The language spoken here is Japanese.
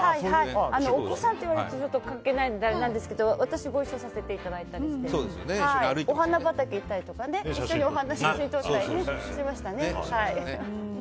お子さんと言われると関係ないのであれなんですけどご一緒させていただいたりしてお花畑行ったりとかね一緒に写真撮ったりしましたね。